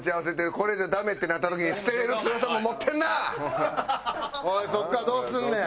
これじゃダメってなった時においそこからどうすんねん。